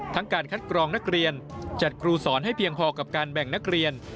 การคัดกรองนักเรียนจัดครูสอนให้เพียงพอกับการแบ่งนักเรียน